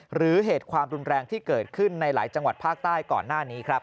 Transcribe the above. หรือเหตุความรุนแรงที่เกิดขึ้นในหลายจังหวัดภาคใต้ก่อนหน้านี้ครับ